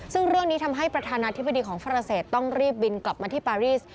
ซึ่งเรื่องนี้ทำให้ประธานาธิบดีของฝรั่งเศสต้องรีบบินกลับมาที่ปารีส